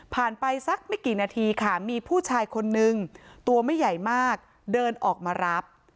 ไปสักไม่กี่นาทีค่ะมีผู้ชายคนนึงตัวไม่ใหญ่มากเดินออกมารับ